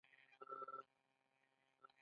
لومړی توری په غټ توري لیکل کیږي.